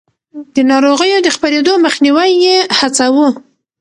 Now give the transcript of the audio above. د ناروغيو د خپرېدو مخنيوی يې هڅاوه.